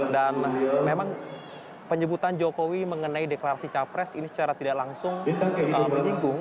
dan memang penyebutan joko widodo mengenai deklarasi capres ini secara tidak langsung menyingkung